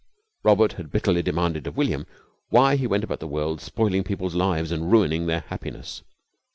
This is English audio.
Robert had bitterly demanded of William why he went about the world spoiling people's lives and ruining their happiness.